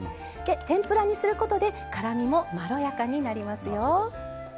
天ぷらにすることで辛みもまろやかになりますよ。